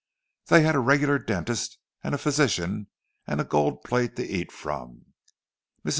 They had a regular dentist, and a physician, and gold plate to eat from. Mrs.